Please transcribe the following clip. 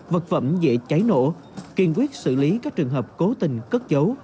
vật phẩm dễ cháy nổ kiên quyết xử lý các trường hợp cố tình cất dấu